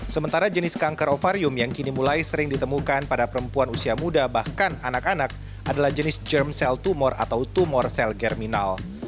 sementara jenis kanker ovarium yang kini mulai sering ditemukan pada perempuan usia muda bahkan anak anak adalah jenis germ cell tumor atau tumor sel germinal